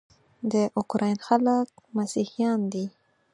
د اوکراین خلک مسیحیان دي.